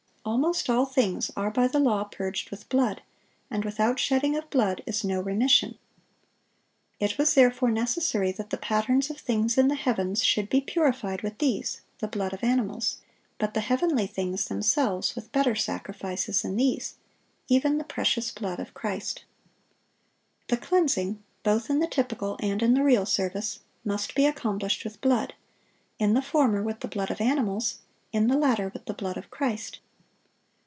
"Almost all things are by the law purged with blood; and without shedding of blood is no remission. It was therefore necessary that the patterns of things in the heavens should be purified with these [the blood of animals]; but the heavenly things themselves with better sacrifices than these,"(686) even the precious blood of Christ. The cleansing, both in the typical and in the real service, must be accomplished with blood: in the former, with the blood of animals; in the latter, with the blood of Christ.